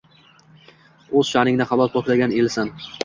O’z sha’ningni halol poklagan elsan.